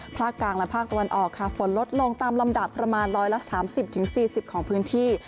ภาคกลางและภาคตะวันออกค่ะฝนลดลงตามลำดับประมาณ๑๓๐๔๐ของพื้นที่